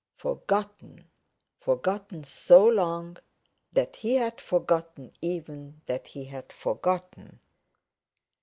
Forgotten! Forgotten so long, that he had forgotten even that he had forgotten.